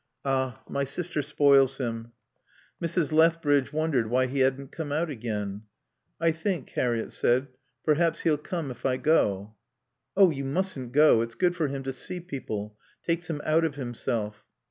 "Ah my sister spoils him." Mrs. Lethbridge wondered why he hadn't come out again. "I think," Harriett said, "perhaps he'll come if I go." "Oh, you mustn't go. It's good for him to see people. Takes him out of himself."